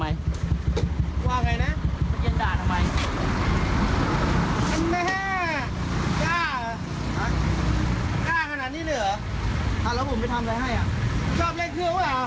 ไม่ได้เล่นเครื่องอะไรเลย